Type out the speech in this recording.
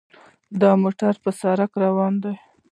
دا موټر په سړک روان دی.